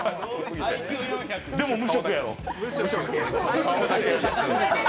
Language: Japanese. でも無職やろ！